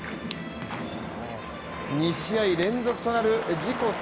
２試合連続となる自己